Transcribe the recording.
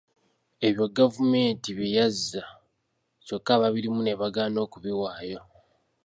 Ebyo Gavumenti bye yazza kyokka ababirimu ne bagaana okubiwaayo.